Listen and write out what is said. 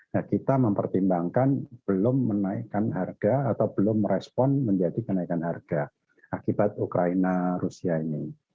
nah kita mempertimbangkan belum menaikkan harga atau belum merespon menjadi kenaikan harga akibat ukraina rusia ini